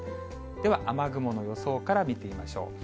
では、雨雲の予想から見てみましょう。